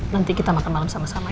nanti kita makan malam sama sama